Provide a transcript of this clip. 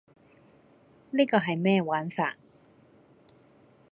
呢個係咩玩法?